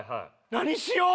何しよう？